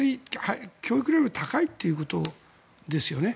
教育レベルが高いということですよね。